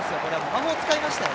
魔法使いましたよ